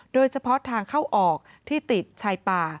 โดยเฉพาะทางเข้าออกที่ติดชายป่า